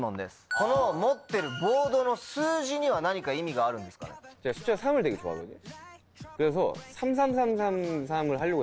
この持ってるボードの数字には何か意味があるんですかね？